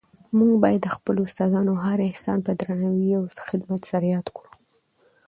موږ باید د خپلو استادانو هر احسان په درناوي او خدمت سره یاد کړو.